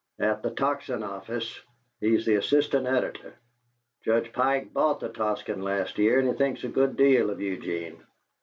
"At the Tocsin office; he's the assistant editor. Judge Pike bought the Tocsin last year, and he thinks a good deal of Eugene.